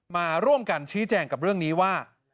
มาร่วมกันชี้แจงกับเรื่องนี้ว่า